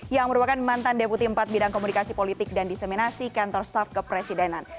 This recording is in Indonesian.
yang merupakan mantan deputi empat bidang komunikasi politik dan diseminasi kantor staf kepresidenan